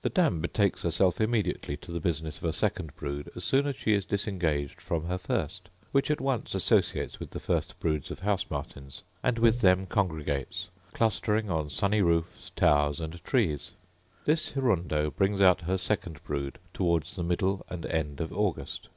The dam betakes herself immediately to the business of a second brood as soon as she is disengaged from her first; which at once associates with the first broods of house martins; and with them congregates, clustering on sunny roofs, towers, and trees. This hirundo brings out her second brood towards the middle and end of August.